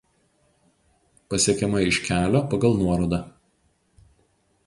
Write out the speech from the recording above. Pasiekiama iš kelio pagal nuorodą.